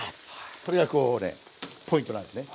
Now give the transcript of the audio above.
これがこうねポイントなんですね。